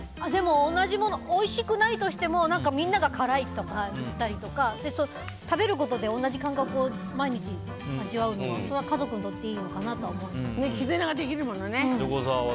同じものおいしくないとしてもみんなが辛いと感じたりとか食べることで同じ感覚を毎日味わうのもそれは家族にとって絆ができるものね。